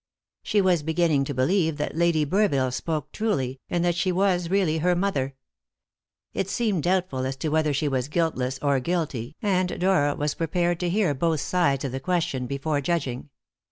She was beginning to believe that Lady Burville spoke truly, and that she was really her mother. It seemed doubtful as to whether she was guiltless or guilty, and Dora was prepared to hear both sides of the question before judging.